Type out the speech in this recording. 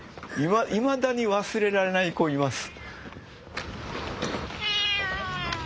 いまだに忘れられない子います。